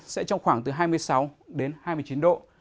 sẽ trong khoảng từ hai mươi sáu đến hai mươi chín độ